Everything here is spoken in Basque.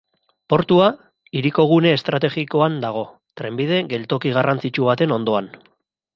Portua, hiriko gune estrategikoan dago, trenbide geltoki garrantzitsu baten ondoan.